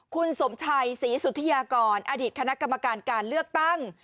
คุณสมชัยศรีสุธิยากรอดีตคณะกรรมการการเลือกตั้ง